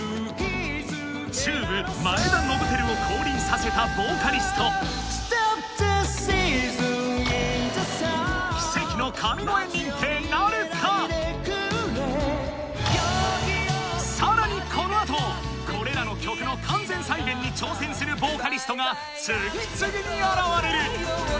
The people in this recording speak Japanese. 「ＴＵＢＥ」前田亘輝を降臨させたボーカリスト Ｓｔｏｐｔｈｅｓｅａｓｏｎｉｎｔｈｅｓｕｎ 奇跡の神声認定なるか⁉さらにこの後これらの曲の完全再現に挑戦するボーカリストが次々に現れる！